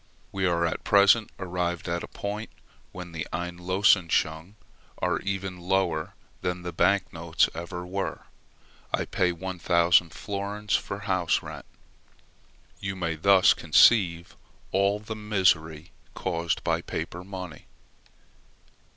We are at present arrived at a point when the Einlösungsscheine are even lower than the bank notes ever were. I pay 1000 florins for house rent: you may thus conceive all the misery caused by paper money.